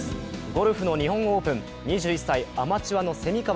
ゴルフの日本オープン、２１歳、アマチュアの蝉川